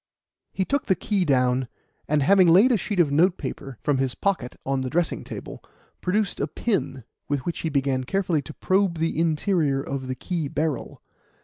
He took the key down, and having laid a sheet of notepaper, from his pocket, on the dressing table, produced a pin, with which he began carefully to probe the interior of the key barrel.